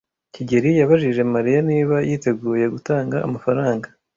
kigeli yabajije Mariya niba yiteguye gutanga amafaranga.